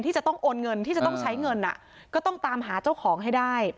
จะต้องโอนเงินที่จะต้องใช้เงินก็ต้องตามหาเจ้าของให้ได้